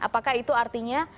apakah itu artinya